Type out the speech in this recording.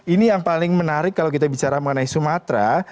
ini yang paling menarik kalau kita bicara mengenai sumatera